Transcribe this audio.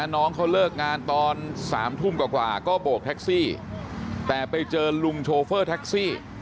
น้องเขาเลิกงานตอน๓ทุ่มกว่าก็โบกแท็กซี่แต่ไปเจอลุงโชเฟอร์แท็กซี่